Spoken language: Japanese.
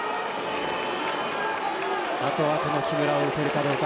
あとは、木村を打てるかどうか。